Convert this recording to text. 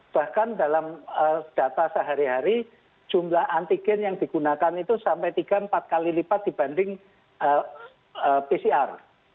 bahkan dalam data sehari hari jumlah antigen yang digunakan itu sampai tiga empat kali lipat dibanding pcr